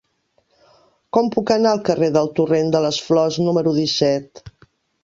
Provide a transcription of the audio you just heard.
Com puc anar al carrer del Torrent de les Flors número disset?